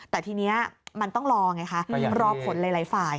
แต่ทีนี้มันต้องรอไงคะรอผลหลายฝ่าย